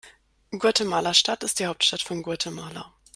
Guatemala-Stadt ist die Hauptstadt von Guatemala.